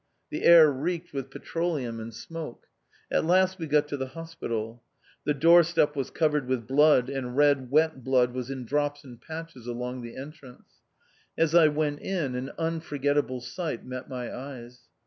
The air reeked with petroleum and smoke. At last we got to the hospital. The door step was covered with blood, and red, wet blood was in drops and patches along the entrance. As I went in, an unforgettable sight met my eyes.